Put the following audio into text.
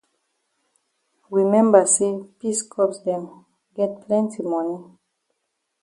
We memba say peace corps dem get plenti moni.